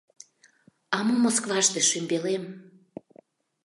— А мо Москваште, шӱмбелем?